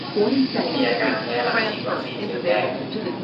ผู้มีอาการแพ้หลังฉีดวัคซีนเข็มแรก